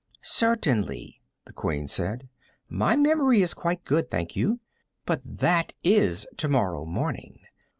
"Certainly," the Queen said. "My memory is quite good, thank you. But that is tomorrow morning.